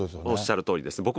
おっしゃるとおりです。